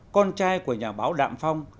con trai của nhà báo đạm phong